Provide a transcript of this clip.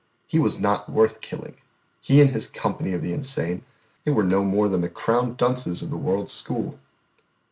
He was not worth killing, He and His company of the insane they were no more than the crowned dunces of the world's school.